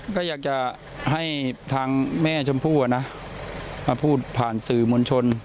ก็อยากจะให้ทางแม่ชมพู่มาพูดผ่านสื่อมวลชน